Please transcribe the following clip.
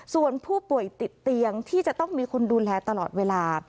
ส่วนผู้ป่วยติดเตียงที่จะต้องมีคนดูแลตลอดเวลา